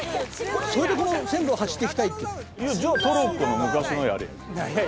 それでこの線路を走っていきたいじゃあトロッコの昔のやれよ。